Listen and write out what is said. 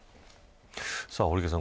堀池さん